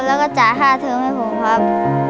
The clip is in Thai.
แล้วก็จ่ายค่าเทิมให้ผมครับ